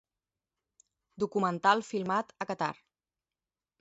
Documental filmat a Qatar.